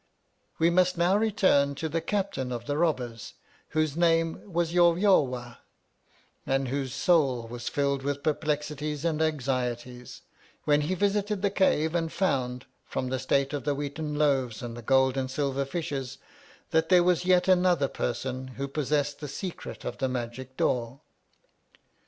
We must now return to the Captain of the Robbers, whose name was Yawyawah, and whose soul was filled with perplexities and anxieties, when he visited the cave and found, from the state of the wheaten loaves and the gold and silver fishes, that there was yet another person who pos sessed the secret of the magic door.